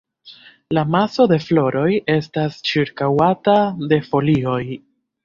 La maso de floroj estas ĉirkaŭata de folioj.